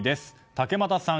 竹俣さん。